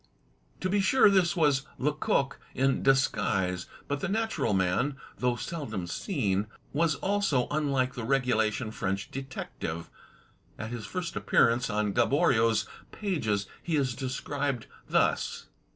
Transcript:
To be sure, this was Lecoq in disguise. But the natural man, though seldom seen, was also imlike the regulation French detective. At his very first appearance on Gaboriau's pages he is described thus